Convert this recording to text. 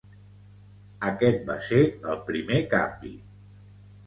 Aquest va ser el primer canvi.